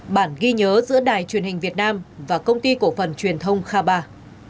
bản ghi nhớ giữa đài truyền hình việt nam và công ty cổ phần truyền thông khabar